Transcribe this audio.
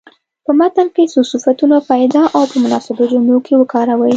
په متن کې څو صفتونه پیدا او په مناسبو جملو کې وکاروئ.